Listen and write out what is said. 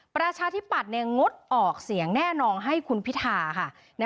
ประชาธิปัตย์งดออกเสียงแน่นอนให้คุณพิธาค่ะ